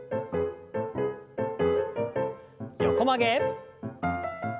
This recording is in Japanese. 横曲げ。